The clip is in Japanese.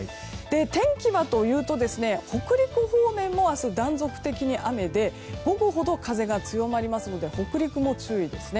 天気はというと北陸方面も明日、断続的に雨で午後ほど風が強まりますので北陸も注意ですね。